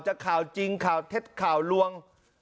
จะข่าวจริงข่าวลวง